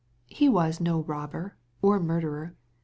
He was no robber, or murderer.